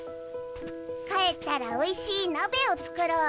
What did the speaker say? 帰ったらおいしい鍋を作ろう。